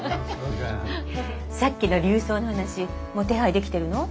さっきの琉装の話もう手配できてるの？